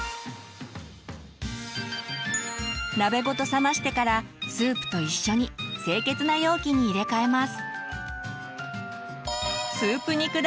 鍋ごと冷ましてからスープと一緒に清潔な容器に入れ替えます。